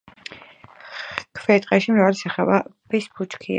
ქვეტყეში მრავალი სახეობის ბუჩქია.